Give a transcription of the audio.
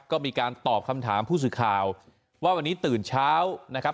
ก็มีการตอบคำถามผู้สื่อข่าวว่าวันนี้ตื่นเช้านะครับ